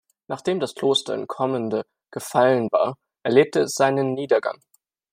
Nachdem das Kloster in Kommende gefallen war, erlebte es seinen Niedergang.